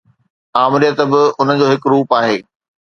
آمريت به ان جو هڪ روپ آهي.